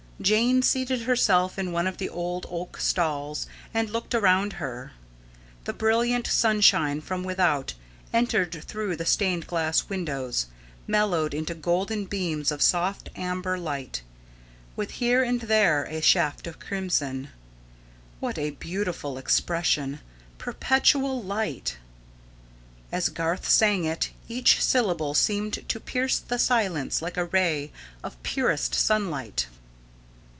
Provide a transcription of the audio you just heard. Jane seated herself in one of the old oak stalls and looked around her. The brilliant sunshine from without entered through the stained glass windows, mellowed into golden beams of soft amber light, with here and there a shaft of crimson. What a beautiful expression perpetual light! As Garth sang it, each syllable seemed to pierce the silence like a ray of purest sunlight.